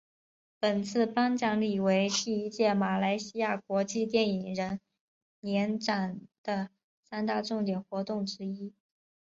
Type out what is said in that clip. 本次颁奖礼为第一届马来西亚国际电影人年展的三大重点活动之一。